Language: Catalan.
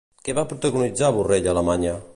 Què va protagonitzar Borrell a Alemanya?